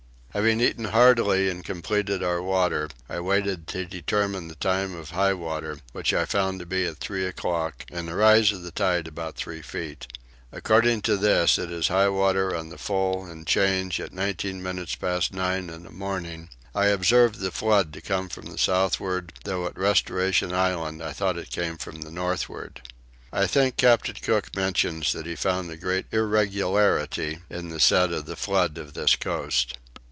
Having eaten heartily and completed our water I waited to determine the time of high water, which I found to be at three o'clock, and the rise of the tide about five feet. According to this it is high water on the full and change at 19 minutes past 9 in the morning: I observed the flood to come from the southward, though at Restoration Island I thought it came from the northward. I think Captain Cook mentions that he found great irregularity in the set of the flood on this coast.